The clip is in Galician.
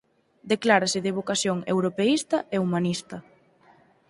Declárase de vocación europeísta e humanista.